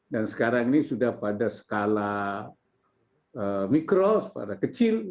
dan sekarang ini sudah pada skala mikro pada kecil